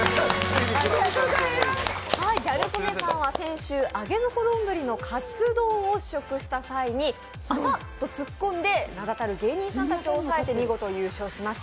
ギャル曽根さんは先週、上げ底どんぶりのカツ丼を試食した際に「浅っ！」とつっこんで、名だたる芸人さんたちを抑えて見事、優勝しました。